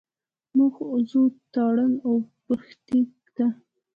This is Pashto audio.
موږ ځو تارڼ اوبښتکۍ ته.